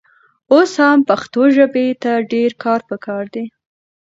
اوس هم پښتو ژبې ته ډېر کار پکار دی.